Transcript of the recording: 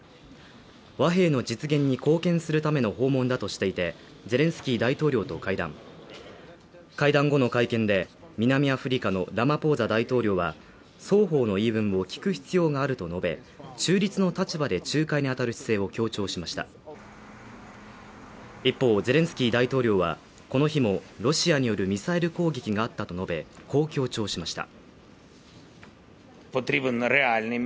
和平の実現に貢献するための訪問だとしていてゼレンスキー大統領と会談会談後の会見で、南アフリカのラマポーザ大統領は、双方の言い分を聞く必要があると述べ、中立の立場で仲介にあたる姿勢を強調しました一方ゼレンスキー大統領はこの日もロシアによるミサイル攻撃があったと述べ強調しました。